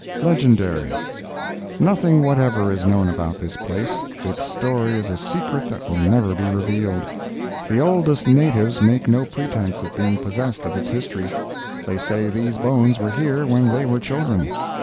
LEGENDARY Nothing whatever is known about this place—its story is a secret that will never be revealed. The oldest natives make no pretense of being possessed of its history. They say these bones were here when they were children.